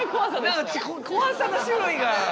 何か怖さの種類が。